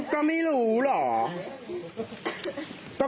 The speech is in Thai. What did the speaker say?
ก็ไม่รู้เหรอ